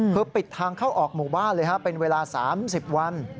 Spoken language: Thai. คือปิดทางเข้าออกหมู่บ้านเลยเป็นเวลา๓๐วัน